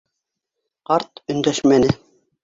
Ҡарт өндәшмәне.